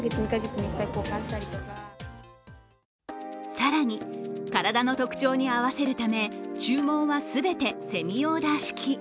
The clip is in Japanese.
更に体の特徴に合わせるため注文は全てセミオーダー式。